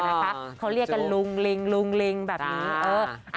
เออนะคะเขาเรียกกันลุงลิงแบบนี้